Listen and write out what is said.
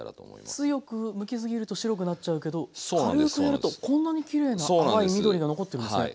強くむきすぎると白くなっちゃうけど軽くやるとこんなにきれいな淡い緑が残ってますね。